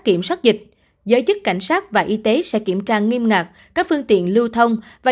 kiểm soát dịch giới chức cảnh sát và y tế sẽ kiểm tra nghiêm ngặt các phương tiện lưu thông và